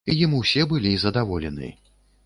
Ім усе былі задаволены.